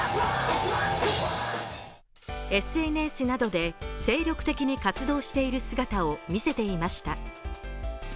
ＳＮＳなどで精力的に活動している姿をみせていました。